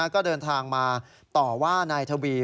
ก็เดินทางมาต่อว่านายทวี